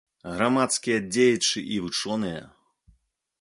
Грамадскія дзеячы і вучоныя.